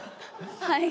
はい。